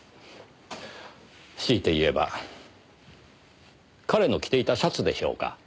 強いて言えば彼の着ていたシャツでしょうか。